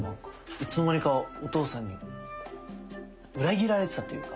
いつの間にかお父さんに裏切られてたというか。